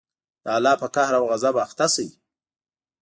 د الله په قهر او غصب اخته شئ.